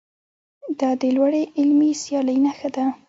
دا د لوړې علمي سیالۍ نښه ده.